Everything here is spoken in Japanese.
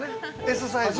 Ｓサイズを。